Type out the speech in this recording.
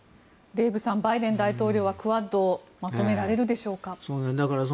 デーブさんバイデン大統領はクアッドをまとめられるでしょうか。